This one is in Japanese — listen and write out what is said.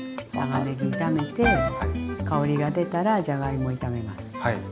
長ねぎ炒めて香りが出たらじゃがいも炒めます。